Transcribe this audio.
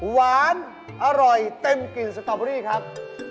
หวานอร่อยเต็มกลิ่นสตอเบอรี่ครับ